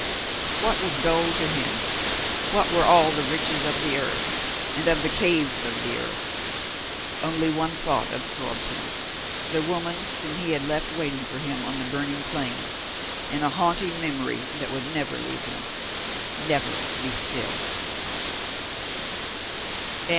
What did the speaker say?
What was gold to him? What were all the riches of the earth and of the caves of the earth? Only one thought absorbed him, the woman whom he had left waiting for him on the burning plain, and a haunting memory that would never leave him never be stilled.